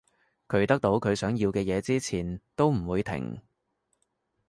佢得到佢想要嘅嘢之前都唔會停